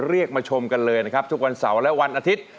เรียกมาชมกันเลยนะครับทุกวันเสาร์และวันอาทิตย์